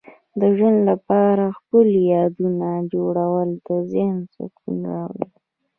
د ژوند لپاره ښکلي یادونه جوړول د ذهن سکون راوړي.